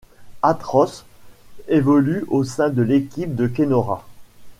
Art Ross évolue au sein de l'équipe de Kenora.